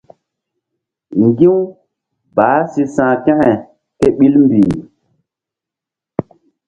Ŋgi̧-u baah si sa̧h kȩke ke ɓil mbih.